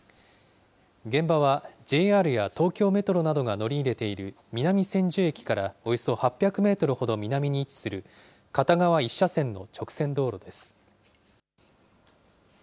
現場はＪＲや東京メトロなどが乗り入れている南千住駅からおよそ８００メートルほど南に位置する片側１車線の直線道路です。